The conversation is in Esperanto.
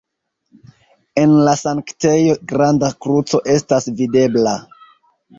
En la sanktejo granda kruco estas videbla.